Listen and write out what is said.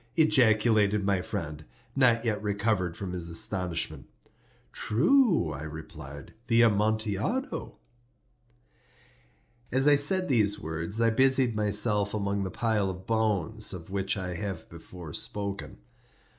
ejaculated my friend, not yet recovered from his astonishment. "True," I replied; "the Amontillado." As I said these words I busied myself among the pile of bones of which I have before spoken.